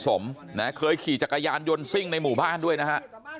สมนะเคยขี่จักรยานยนต์ซิ่งในหมู่บ้านด้วยนะฮะ